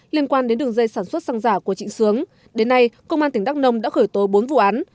liên quan đến đường dây sản xuất xăng giả của trịnh sướng đến nay công an tỉnh đắk nông đã khởi tố bốn vụ án